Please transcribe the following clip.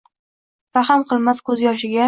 Rahm qilmas ko‘z yoshiga